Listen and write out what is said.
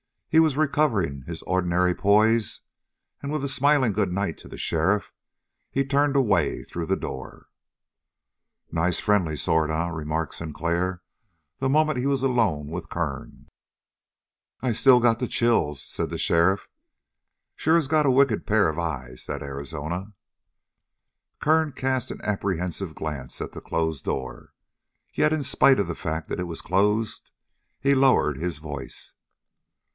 He was recovering his ordinary poise, and with a smiling good night to the sheriff, he turned away through the door. "Nice, friendly sort, eh?" remarked Sinclair the moment he was alone with Kern. "I still got the chills," said the sheriff. "Sure has got a wicked pair of eyes, that Arizona." Kern cast an apprehensive glance at the closed door, yet, in spite of the fact that it was closed, he lowered his voice.